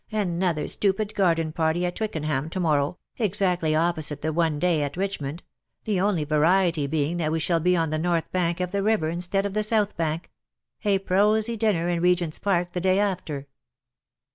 Another stupid garden party at Twickenham to morrow, exactly opposite the one to day at Richmond — the only variety being that we shall be on the north bank of the river instead of the south bank — a prosy dinner in Regent's Park the day after.